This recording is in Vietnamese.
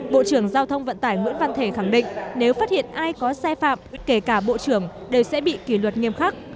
bộ trưởng giao thông vận tải nguyễn văn thể khẳng định nếu phát hiện ai có sai phạm kể cả bộ trưởng đều sẽ bị kỷ luật nghiêm khắc